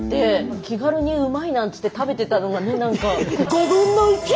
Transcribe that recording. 気軽にうまいなんつって食べてたのがねなんか。